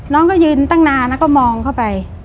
น้องก็ยืนตั้งนานแล้วก็มองเข้าไป